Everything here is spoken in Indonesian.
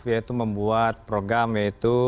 yaitu membuat program yaitu